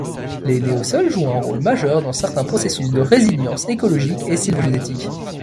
Les néosols jouent un rôle majeur dans certains processus de résilience écologique et sylvogénétiques.